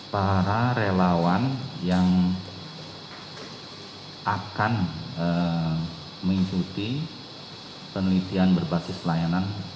para relawan yang akan mengikuti penelitian berbasis pelayanan